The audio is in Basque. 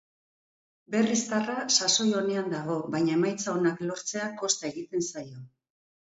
Berriztarrak sasoi onean dago baina emaitza onak lortzea kosta egiten zaio.